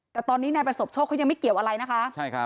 แต่ตอนนี้นายประสบโชคเขายังไม่เกี่ยวอะไรนะคะ